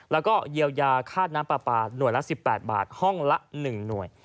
แล้วก็เยียวยาค่าน้ำปลาปลาหน่วยละ๑๘บาทห้องละ๑หน่วย